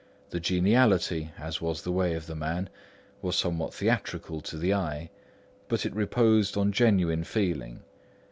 The geniality, as was the way of the man, was somewhat theatrical to the eye; but it reposed on genuine feeling.